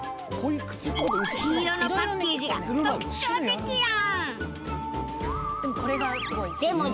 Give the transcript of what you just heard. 黄色のパッケージが特徴的やん！